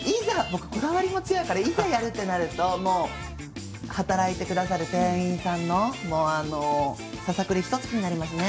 僕こだわりも強いからいざやるってなると働いてくださる店員さんのささくれ一つ気になりますね。